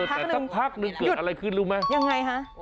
แต่สักพักหนึ่งเกิดอะไรขึ้นรู้ไหมยังไงฮะ